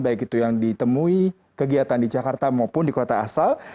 baik itu yang ditemui kegiatan di jakarta maupun di kota asal